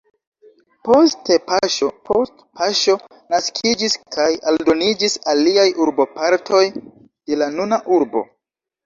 Poste paŝo post paŝo naskiĝis kaj aldoniĝis aliaj urbopartoj de la nuna urbo.